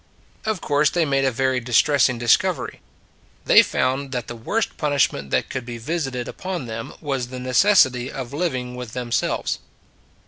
Of course they made a very distressing discovery: they found that the worst pun ishment that could be visited upon them was the necessity of living with themselves.